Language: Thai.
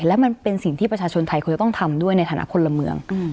และมันเป็นสิ่งที่ประชาชนไทยควรจะต้องทำด้วยในฐานะคนละเมือง